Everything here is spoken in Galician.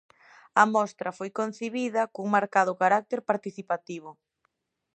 A mostra foi concibida cun marcado carácter participativo.